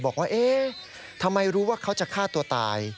บอกว่าเอ๊ะทำไมรู้ว่าเขาจะฆ่าตัวตาย